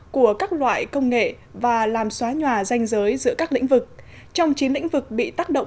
của các loại công nghệ và làm xóa nhòa danh giới giữa các lĩnh vực trong chín lĩnh vực bị tác động